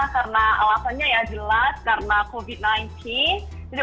karena alasannya jelas karena covid sembilan belas